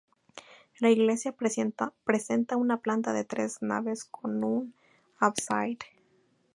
La iglesia presenta una planta de tres naves con un ábside.